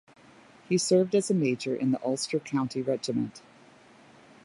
He served as a Major in the Ulster County Regiment.